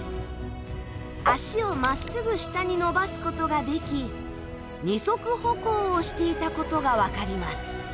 あしを真っ直ぐ下に伸ばすことができ二足歩行をしていたことがわかります。